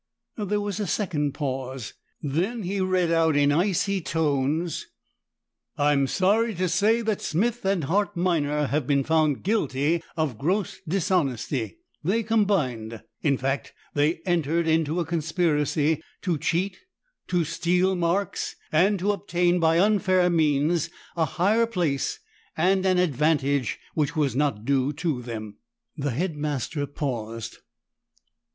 There was a second pause, then he read out in icy tones: "I'm sorry to say that Smith and Hart Minor have been found guilty of gross dishonesty; they combined in fact they entered into a conspiracy, to cheat, to steal marks and obtain by unfair means, a higher place and an advantage which was not due to them." The Head Master paused.